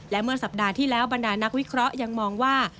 และเมื่อสัปดาห์ที่แล้วบรรดานักวิเคราะห์ยังมองว่า